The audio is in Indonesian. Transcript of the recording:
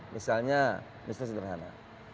misalnya misalnya sederhana